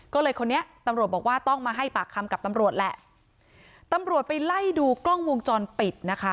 ก็เลยคนนี้ตำรวจบอกว่าต้องมาให้ปากคำกับตำรวจแหละตำรวจไปไล่ดูกล้องวงจรปิดนะคะ